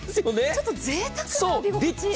ちょっとぜいたくな浴び心地。